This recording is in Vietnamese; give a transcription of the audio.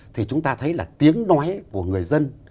thì chúng ta thấy là tiếng nói của người dân